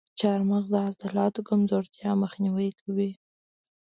چارمغز د عضلاتو کمزورتیا مخنیوی کوي.